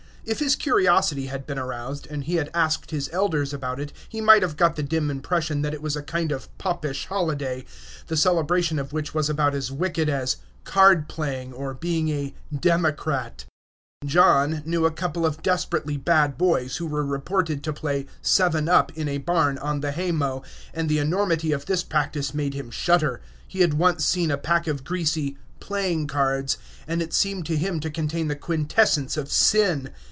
If his curiosity had been aroused, and he had asked his elders about it, he might have got the dim impression that it was a kind of Popish holiday, the celebration of which was about as wicked as "card playing," or being a "Democrat." John knew a couple of desperately bad boys who were reported to play "seven up" in a barn, on the haymow, and the enormity of this practice made him shudder. He had once seen a pack of greasy "playing cards," and it seemed to him to contain the quintessence of sin.